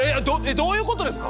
どういうことですか？